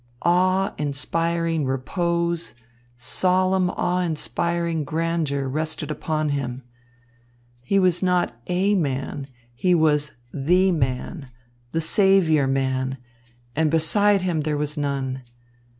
Awe inspiring repose, solemn, awe inspiring grandeur rested upon him. He was not a man, he was the man, the saviour man, and beside him there was none.